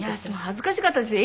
恥ずかしかったですよ。